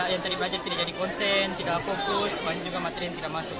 yang tadi belajar tidak jadi konsen tidak fokus banyak juga materi yang tidak masuk